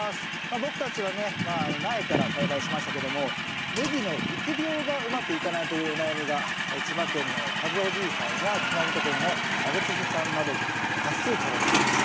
僕たちはねまあ苗から栽培しましたけどもネギの育苗がうまくいかないというお悩みが千葉県のかずおじいじさんや熊本県のあげつひさんなど多数届きました。